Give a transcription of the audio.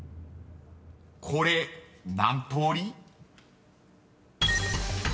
［これ何通り？］